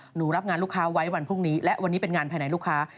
หนูรับงานลูกค้าไว้วันพรุ่งนี้และวันนี้เป็นงานภายในลูกค้า